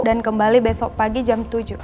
kembali besok pagi jam tujuh